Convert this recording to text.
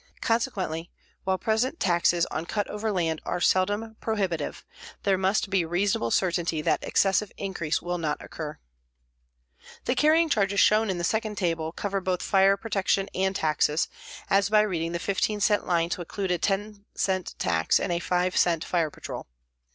Consequently, while present taxes on cut over land are seldom prohibitive, there must be reasonable certainty that excessive increase will not occur. The carrying charges shown in the second table cover both fire protection and taxes, as by reading the 15 cent line to include a 10 cent tax and a 5 cent fire patrol.